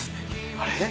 あれ？